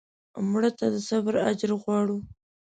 مړه ته د صبر اجر غواړو